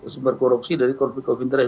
sumber korupsi dari konflik of interest